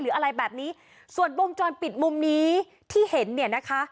อะไรแบบนี้ส่วนวงจรปิดมุมนี้ที่เห็นเนี่ยนะคะ